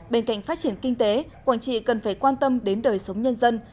bên cạnh phát triển kinh tế quảng trị cần phải quan tâm đến đời sống nhân dân